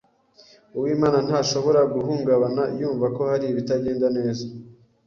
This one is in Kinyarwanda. Uwimana ntashobora guhungabana yumva ko hari ibitagenda neza.